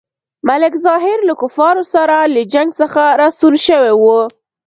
ملک ظاهر له کفارو سره له جنګ څخه راستون شوی وو.